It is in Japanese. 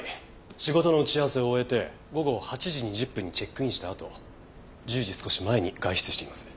仕事の打ち合わせを終えて午後８時２０分にチェックインしたあと１０時少し前に外出しています。